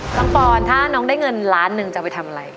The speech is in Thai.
ปอนถ้าน้องได้เงินล้านหนึ่งจะไปทำอะไร